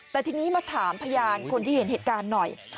แต่ทีนี้มาถามพยานคนที่เห็นเหตุการณ์หน่อย